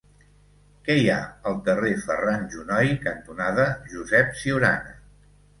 Què hi ha al carrer Ferran Junoy cantonada Josep Ciurana?